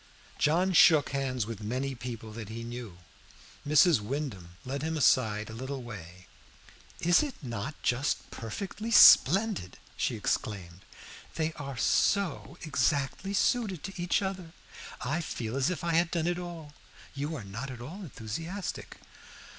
John shook hands with many people that he knew. Mrs. Wyndham led him aside a little way. "Is it not just perfectly splendid?" she exclaimed. "They are so exactly suited to each other. I feel as if I had done it all. You are not at all enthusiastic."